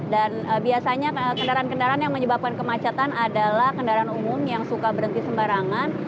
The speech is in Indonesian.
dan biasanya kendaraan kendaraan yang menyebabkan kemacetan adalah kendaraan umum yang suka berhenti sembarangan